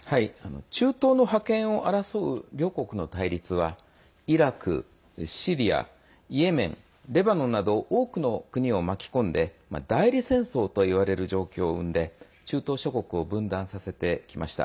中東の覇権を争う両国の対立はイラク、シリアイエメン、レバノンなど多くの国を巻き込んで代理戦争といわれる状況を生んで中東諸国を分断させてきました。